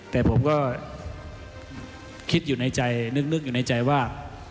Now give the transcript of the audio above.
แต่ผมก็คิดอยู่ในใจนึกอยู่ในใจว่า